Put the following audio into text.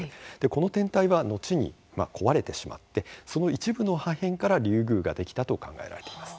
この天体は後に壊れてしまってその一部の破片からリュウグウができたと考えられています。